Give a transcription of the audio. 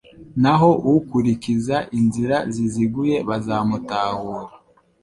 naho ukurikiza inzira ziziguye bazamutahura